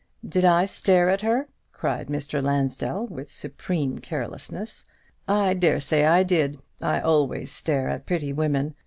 "Did I stare at her?" cried Mr. Lansdell, with supreme carelessness. "I dare say I did; I always stare at pretty women.